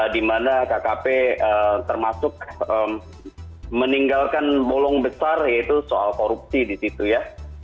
di mana kkp termasuk meninggalkan bolong besar yaitu soal korupsi di situ ya